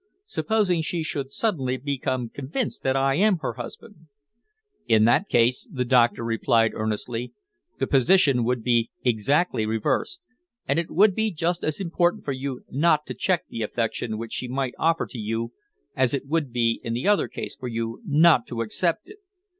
Supposing she should suddenly become convinced that I am her husband?" "In that case," the doctor replied earnestly, "the position would be exactly reversed, and it would be just as important for you not to check the affection which she might offer to you as it would be in the other case for you not to accept it.